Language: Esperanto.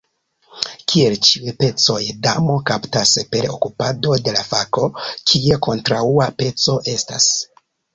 Kiel ĉiuj pecoj, damo kaptas per okupado de la fako, kie kontraŭa peco estas.